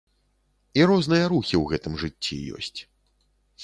І розныя рухі ў гэтым жыцці ёсць.